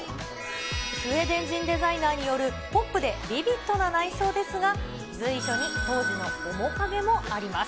スウェーデン人デザイナーによる、ポップでビビッドな内装ですが、随所に当時の面影もあります。